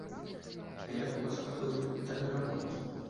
А як у вас праходзіў капітальны рамонт?